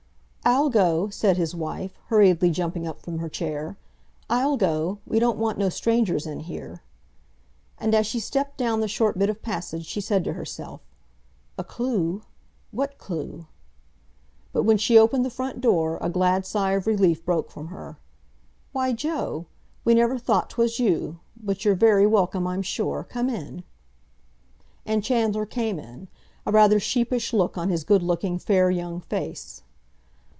"I'll go," said his wife, hurriedly jumping up from her chair. "I'll go! We don't want no strangers in here." And as she stepped down the short bit of passage she said to herself, "A clue? What clue?" But when she opened the front door a glad sigh of relief broke from her. "Why, Joe? We never thought 'twas you! But you're very welcome, I'm sure. Come in." And Chandler came in, a rather sheepish look on his good looking, fair young face.